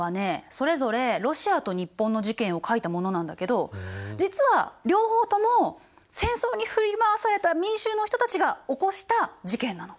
それぞれロシアと日本の事件を描いたものなんだけど実は両方とも戦争に振り回された民衆の人たちが起こした事件なの。